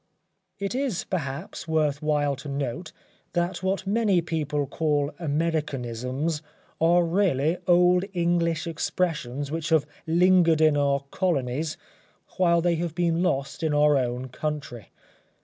It is, perhaps, worth while to note that what many people call Americanisms are really old English expressions which have lingered in our colonies while they have been lost in our own country.